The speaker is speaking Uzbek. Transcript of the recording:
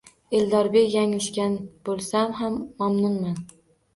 — Erdolbek, yanglishgan bo'lsam ham mamnunman.